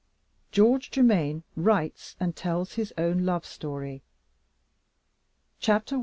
GEORGE GERMAINE WRITES, AND TELLS HIS OWN LOVE STORY. CHAPTER I.